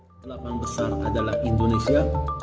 ketelapan besar adalah indonesia